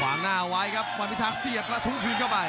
วางหน้าไว้ครับความพิทักษ์เสียทุกคืนเข้าไป